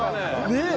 ねえ？